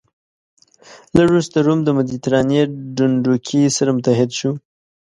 لږ وروسته روم د مدترانې ډنډوکی سره متحد شو.